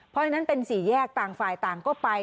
เพราะฉะนั้นเป็นสี่แยกต่างฝ่ายต่างก็ไป